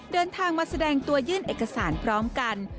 เดินทางมาแสดงตัวยื่นเอกสารพร้อมกัน